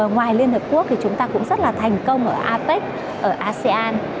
ngoài liên hợp quốc thì chúng ta cũng rất là thành công ở apec ở asean